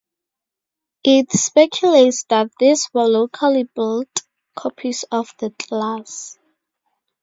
It speculates that these were locally built copies of the class.